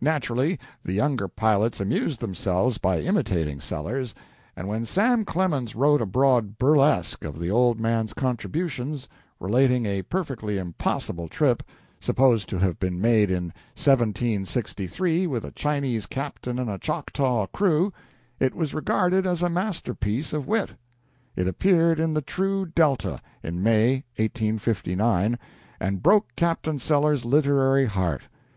Naturally, the younger pilots amused themselves by imitating Sellers, and when Sam Clemens wrote abroad burlesque of the old man's contributions, relating a perfectly impossible trip, supposed to have been made in 1763 with a Chinese captain and a Choctaw crew, it was regarded as a masterpiece of wit. It appeared in the "True Delta" in May, 1859, and broke Captain Sellers's literary heart.